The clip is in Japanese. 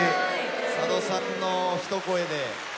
佐渡さんのひと声で。